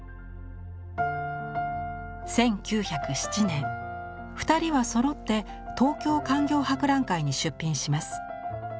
１９０７年二人はそろって東京勧業博覧会に出品します。